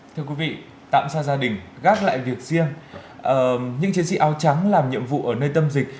thưa quý vị tạm xa gia đình gác lại việc riêng những chiến sĩ áo trắng làm nhiệm vụ ở nơi tâm dịch